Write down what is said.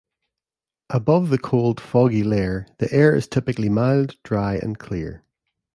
Above the cold, foggy layer, the air is typically mild, dry and clear.